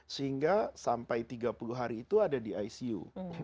sehingga sampai tiga puluh hari itu ada di icu